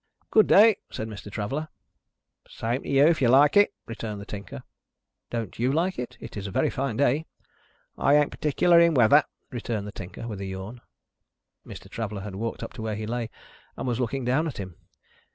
"Good day!" said Mr. Traveller. "Same to you, if you like it," returned the Tinker. "Don't you like it? It's a very fine day." "I ain't partickler in weather," returned the Tinker, with a yawn. Mr. Traveller had walked up to where he lay, and was looking down at him.